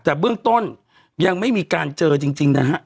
แต่เบื้องต้นยังไม่มีการเจอจริงนะฮะ